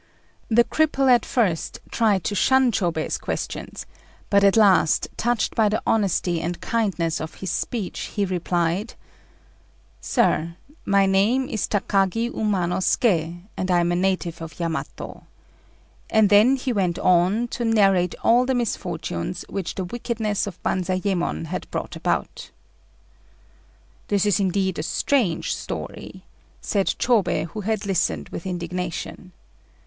The cripple at first tried to shun Chôbei's questions; but at last, touched by the honesty and kindness of his speech, he replied "Sir, my name is Takagi Umanosuké, and I am a native of Yamato;" and then he went on to narrate all the misfortunes which the wickedness of Banzayémon had brought about. "This is indeed a strange story," said Chôbei who had listened with indignation.